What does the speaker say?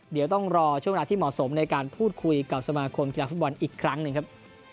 เดี๋ยวต้องรอช่วงเวลาที่เหมาะสมในการพูดคุยกับสมาคมกีฬาฟุตบอลอีกครั้งหนึ่งครับ